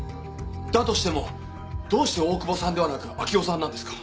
だとしてもどうして大久保さんではなく明生さんなんですか？